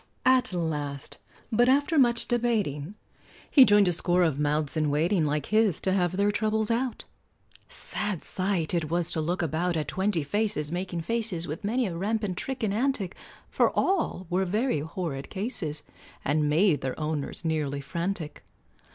At last, but after much debating, He joined a score of mouths in waiting, Like his, to have their troubles out. Sad sight it was to look about At twenty faces making faces, With many a rampant trick and antic, For all were very horrid cases, And made their owners nearly frantic.